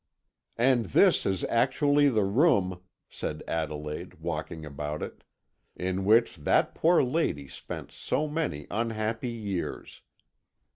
"And this is actually the room," said Adelaide, walking about it, "in which that poor lady spent so many unhappy years!